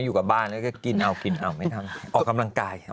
อยู่กับบ้านแล้วก็กินออกกำลังกาย